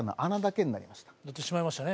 なってしまいましたね。